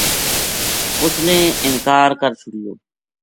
اُس نے انکار کر چھُڑیو